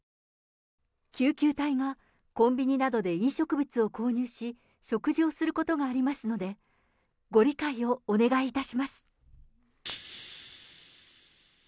救急隊がコンビニなどで飲食物を購入し、食事をすることがありますので、ご理解をお願いいたします。